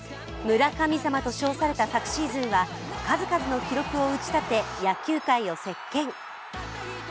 村神様と称された昨シーズンは数々の記録を打ち立て、野球界を席巻。